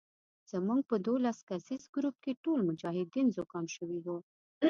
زموږ په دولس کسیز ګروپ کې ټول مجاهدین زکام شوي وو.